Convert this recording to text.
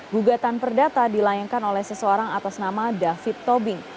gugatan perdata dilayangkan oleh seseorang atas nama david tobing